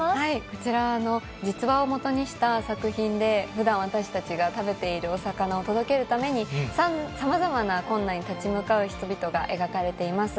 こちら、実話をもとにした作品で、ふだん、私たちが食べているお魚を届けるために、さまざまな困難に立ち向かう人々が描かれています。